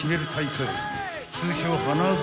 通称「花園」